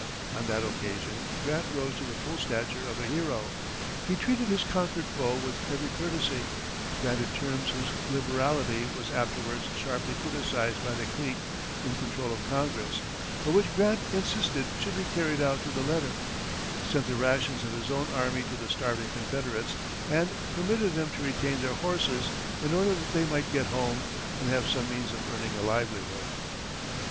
On that occasion, Grant rose to the full stature of a hero. He treated his conquered foe with every courtesy; granted terms whose liberality was afterwards sharply criticised by the clique in control of Congress, but which Grant insisted should be carried out to the letter; sent the rations of his own army to the starving Confederates, and permitted them to retain their horses in order that they might get home, and have some means of earning a livelihood.